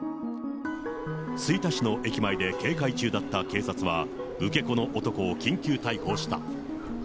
吹田市の駅前で警戒中だった警察は、受け子の男を緊急逮捕した。